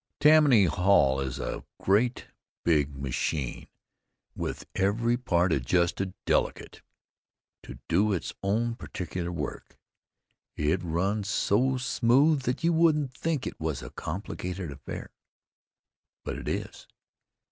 Tammany Hall is a great big machine, with every part adjusted delicate to do its own particular work. It runs so smooth that you wouldn't think it was a complicated affair, but it is.